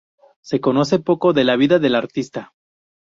Se conoce poco de la vida del artista.